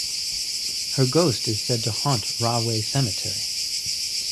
Her ghost is said to haunt Rahway Cemetery.